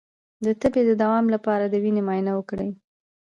د تبې د دوام لپاره د وینې معاینه وکړئ